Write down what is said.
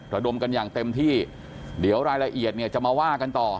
ระดมกันอย่างเต็มที่เดี๋ยวรายละเอียดเนี่ยจะมาว่ากันต่อ